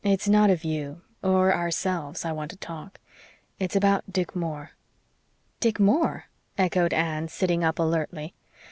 "It's not of you or ourselves I want to talk. It's about Dick Moore." "Dick Moore?" echoed Anne, sitting up alertly.